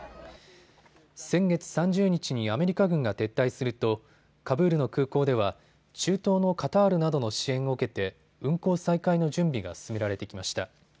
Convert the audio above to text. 先月３０日にアメリカ軍が撤退するとカブールの空港では中東のカタールなどの支援を受けて運航再開の準備が進められてきました。